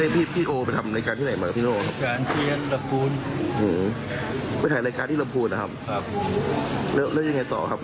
พี่โอวไปทำรายการที่ไหนมากับพี่โอวครับ